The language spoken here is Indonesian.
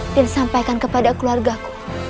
dan sampaikan kepada keluarga ku